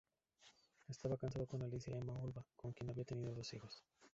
Estaba casado con Alicia Emma Oliva, con quien había tenido dos hijos.